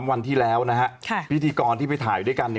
วันที่แล้วนะฮะพิธีกรที่ไปถ่ายด้วยกันเนี่ย